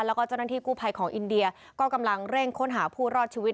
แล้วก็เจ้าหน้าที่กู้ภัยของอินเดียก็กำลังเร่งค้นหาผู้รอดชีวิต